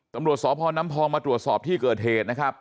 ตำรวจสพน้ำพองมาตรวจสอบที่เกิดเหตุนะครับ